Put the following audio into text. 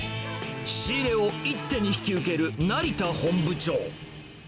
仕入れを一手に引き受ける成田本部長。